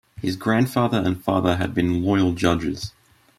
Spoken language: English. His grandfather and father had been royal judges.